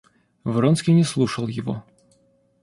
Вронский не слушал его.